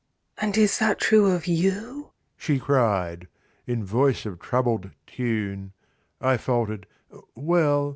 "And is that true of you?" she cried In voice of troubled tune. I faltered: "Well